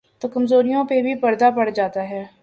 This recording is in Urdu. تو کمزوریوں پہ بھی پردہ پڑ جاتاہے۔